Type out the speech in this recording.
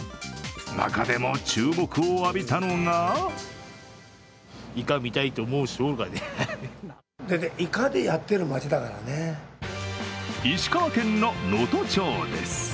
中でも注目を浴びたのが石川県の能登町です。